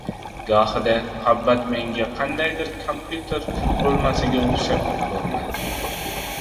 Gohida muhabbat menga qandaydir kompyuter qurilmasiga o‘xshab ko‘rinadi.